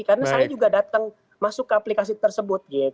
karena saya juga datang masuk ke aplikasi tersebut